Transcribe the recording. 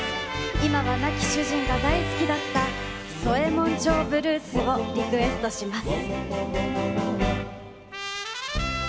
今は亡き主人が大好きだった「宗右衛門町ブルース」をリクエストします。